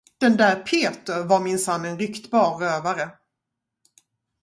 Den där Peter var minsann en ryktbar rövare.